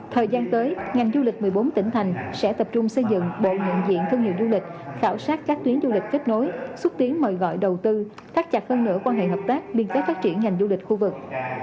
thời gian tới ngành du lịch một mươi bốn tỉnh thành sẽ tập trung xây dựng bộ nhận diện thương hiệu du lịch khảo sát các tuyến du lịch kết nối xúc tiến mời gọi đầu tư thắt chặt hơn nửa quan hệ hợp tác liên kết phát triển ngành du lịch khu vực